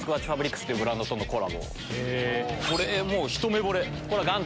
これもうひと目ぼれ。